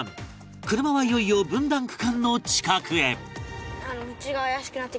車はいよいよ分断区間の近くへ